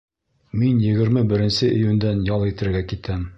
Мин егерме беренсе июндән ял итергә китәм.